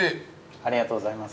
ありがとうございます。